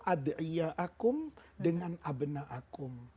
ad ia'akum dengan abna'akum